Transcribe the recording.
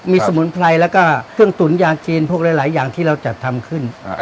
มีสมุนไพรแล้วก็เครื่องตุ๋นยาจีนพวกหลายอย่างที่เราจัดทำขึ้น